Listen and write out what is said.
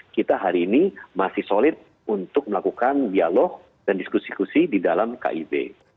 kita hari ini masih solid untuk melakukan dialog dan diskusi diskusi di dalam kib